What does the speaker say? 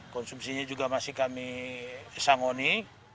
konsumsinya juga masih kami sangoni